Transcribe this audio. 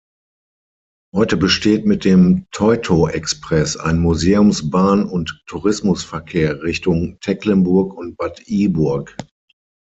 Heute besteht mit dem "Teuto-Express" ein Museumsbahn- und Tourismusverkehr Richtung Tecklenburg und Bad Iburg.